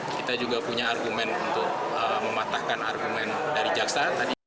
kita juga punya argumen untuk mematahkan argumen dari jaksa